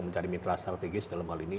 mencari mitra strategis dalam hal ini